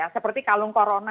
seperti kalung corona